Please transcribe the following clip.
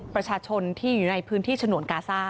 ประชาชนที่อยู่ในพื้นที่ฉนวนกาซ่า